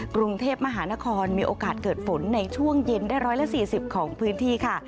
กรุงเทพมหานครมีโอกาสเกิดฝนในช่วงเย็นได้๑๔๐ของพื้นที่ค่ะ